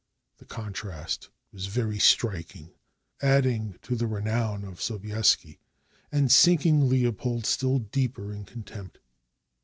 The contrast was very striking, adding to the renown of Sobieski, and sinking Leopold still deeper in contempt.